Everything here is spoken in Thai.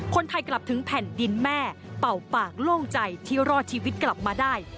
คนไทยกลับถึงแผ่นดินแม่เป่าปากโล่งใจที่รอดชีวิตกลับมาได้